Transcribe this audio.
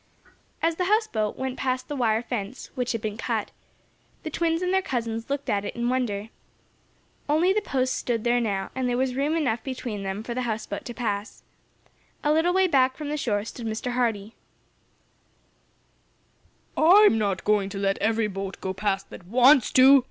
As the houseboat went past the wire fence, which had been cut, the twins and their cousins looked at it in wonder. Only the posts stood there now, and there was room enough between them for the houseboat to pass. A little way back from the shore stood Mr. Hardee. "I'm not going to let every boat go past that wants to!"